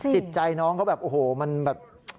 จิตใจน้องเขาแบบโอ้โหมันแบบ